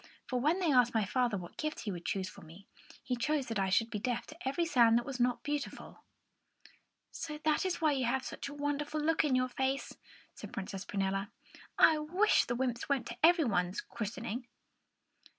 "For when they asked my father what gift he would choose for me, he chose that I should be deaf to every sound that was not beautiful." "So that is why you have such a wonderful look on your face," said Princess Prunella. "I wish the wymps went to everybody's christening!"